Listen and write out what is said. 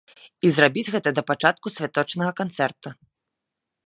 І зрабіць гэта да пачатку святочнага канцэрта.